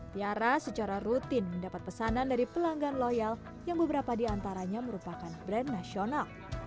tiara secara rutin mendapat pesanan dari pelanggan loyal yang beberapa diantaranya merupakan brand nasional